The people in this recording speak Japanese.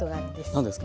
何ですか？